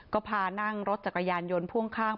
ก็พานั่งรถจักรยานยนต์พ่วงข้าง